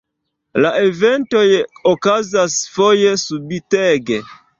La eventoj okazas foje subitege.